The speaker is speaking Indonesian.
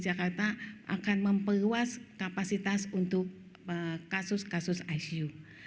jadi di jakarta akan memperluas kapasitas untuk kasus kasus icu